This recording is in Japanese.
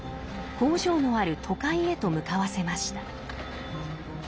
工場のある都会へと向かわせました。